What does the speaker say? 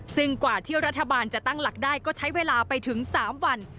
ซึ่งกว่าที่รัฐบาลจะตั้งหลักได้ก็ใช้เวลาไปถึง๓วัน